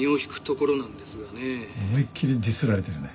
思いっ切りディスられてるね。